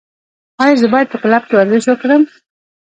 ایا زه باید په کلب کې ورزش وکړم؟